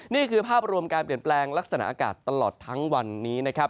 นี่คือภาพรวมการเปลี่ยนแปลงลักษณะอากาศตลอดทั้งวันนี้นะครับ